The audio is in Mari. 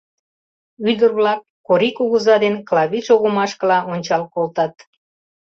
Ӱдыр-влак Корий кугыза ден Клавий шогымашкыла ончал колтат.